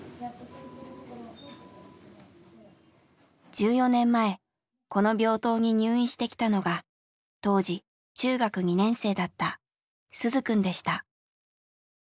１４年前この病棟に入院してきたのが当時中学２年生だった鈴くんでした。